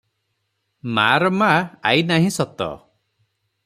ମାର ମା ଆଇ ନାହିଁ ସତ!